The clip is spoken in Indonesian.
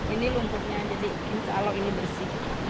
ini lumpurnya jadi se aloh ini bersih